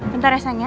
bentar ya senya